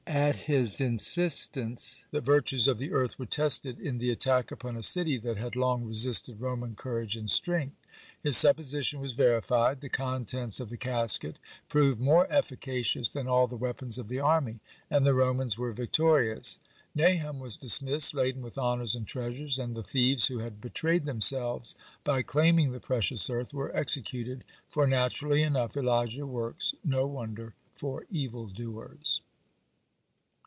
At his instance the virtues of the earth were tested in the attack upon a city that had long resisted Roman courage and strength. His supposition was verified. The contents of the casket proved more efficacious than all the weapons of the army, and the Romans were victorious. Nahum was dismissed, laden with honors and treasures, and the thieves, who had betrayed themselves by claiming the precious earth, were executed, for, naturally enough, Elijah works no wonder for evil doers.